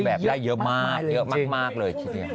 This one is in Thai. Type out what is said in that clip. มันทำให้แบบว่าทำอะไรได้เยอะมากเลย